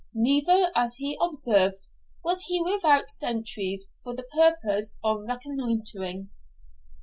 Neither, as he observed, was he without sentries for the purpose of reconnoitring.